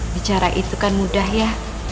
bicara itu kan mudah ya